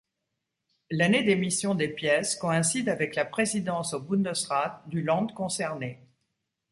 L'année d'émission des pièces coïncide avec la présidence au Bundesrat du Land concerné.